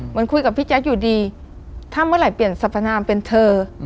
เหมือนกับพี่แจ๊คอยู่ดีถ้าเมื่อไหร่เปลี่ยนสรรพนามเป็นเธอ